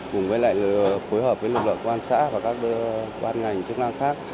cùng với lực lượng quan sát và các ban ngành chức năng khác